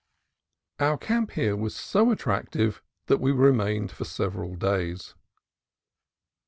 Our camp here was so attractive that we remained for several days.